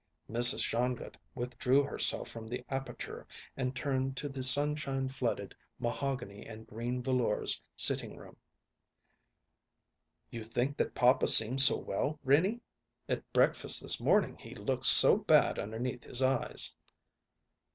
Mrs. Shongut withdrew herself from the aperture and turned to the sunshine flooded, mahogany and green velours sitting room. "You think that papa seems so well, Renie? At breakfast this morning he looked so bad underneath his eyes."